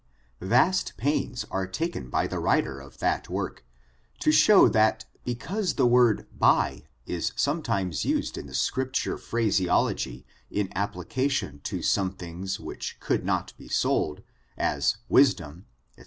Yast pains are taken by tho writer of that work to show that because the word bup is sometimea used in the Scripture phraseology in ap* plication to some things which could not be sold, as wisdom, &C.